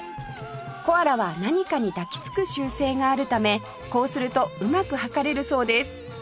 コアラは何かに抱きつく習性があるためこうするとうまく測れるそうです